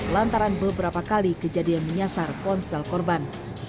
lantaran beberapa kali kejadian menyasar ponsel korban